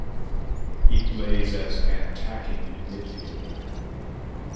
He plays as an attacking midfielder.